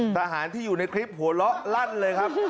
ทหารที่อยู่ในคลิปหัวเราะลั่นเลยครับ